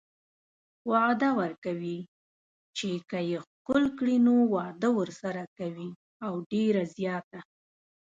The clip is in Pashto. وعده ورکوي چې که يې ښکل کړي نو واده ورسره کوي او ډيره زياته